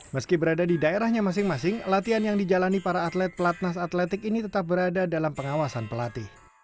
meski berada di daerahnya masing masing latihan yang dijalani para atlet pelatnas atletik ini tetap berada dalam pengawasan pelatih